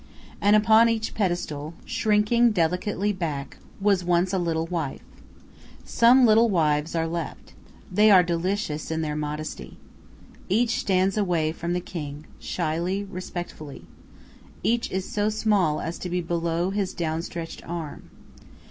And upon each pedestal, shrinking delicately back, was once a little wife. Some little wives are left. They are delicious in their modesty. Each stands away from the king, shyly, respectfully. Each is so small as to be below his down stretched arm.